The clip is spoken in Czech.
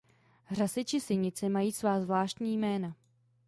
Řasy či sinice mají svá zvláštní jména.